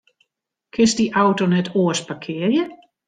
Kinst dy auto net oars parkearje?